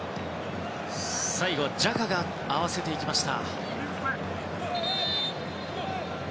最後はジャカが合わせていきました。